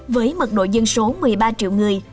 với mật độ dân số một mươi ba triệu người